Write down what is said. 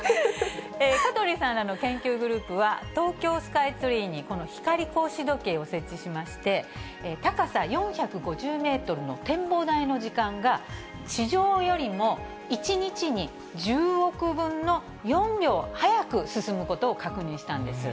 香取さんらの研究グループは、東京スカイツリーにこの光格子時計を設置しまして、高さ４５０メートルの展望台の時間が、地上よりも１日に１０億分の４秒早く進むことを確認したんです。